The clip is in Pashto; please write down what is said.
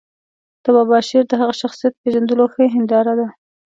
د بابا شعر د هغه شخصیت پېژندلو ښه هنداره ده.